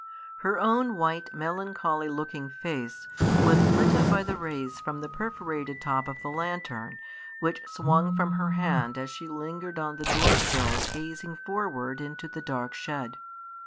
Her own white, melancholy looking face was lit up by the rays from the perforated top of the lantern, which swung from her hand as she lingered on the door sill gazing forward into the dark shed.